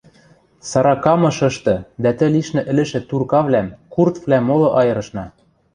Саракамышышты дӓ тӹ лишнӹ ӹлӹшӹ туркавлӓм, курдвлӓм моло айырышна.